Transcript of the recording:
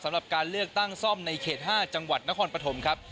สำหรับการเลือกตั้งซ่อมในเขต๕จังหวัดนครปฐมครับ